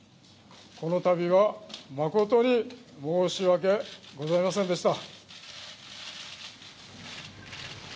この度は誠に申し訳ございませんでした。